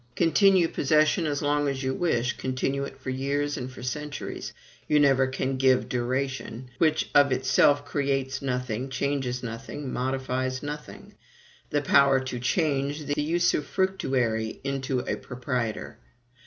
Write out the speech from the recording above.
Continue possession as long as you wish, continue it for years and for centuries, you never can give duration which of itself creates nothing, changes nothing, modifies nothing the power to change the usufructuary into a proprietor.